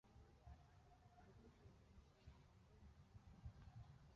Umukobwa muto yitwaje imifuka ibiri yo guhaha muri Zara